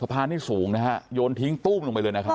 พานี่สูงนะฮะโยนทิ้งตู้มลงไปเลยนะครับ